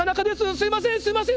すいませんすいません